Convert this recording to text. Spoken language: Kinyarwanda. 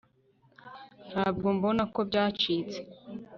Ntabwo mbona ko byacitse